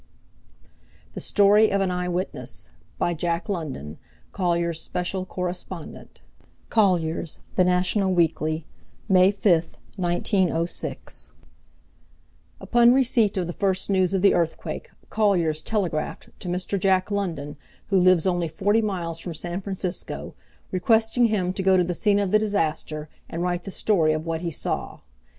THE STORY OF AN EYEWITNESS By Jack London, Collier's special Correspondent Collier's, the National Weekly May 5, 1906 Upon receipt of the first news of the earthquake, Colliers telegraphed to Mr. Jack London–who lives only forty miles from San Francisco–requesting him to go to the scene of the disaster and write the story of what he saw.